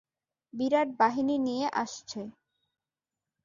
বিরাট বাহিনী নিয়ে আসছে।